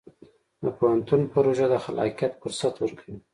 د پوهنتون پروژه د خلاقیت فرصت ورکوي.